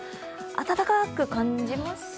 暖かく感じました？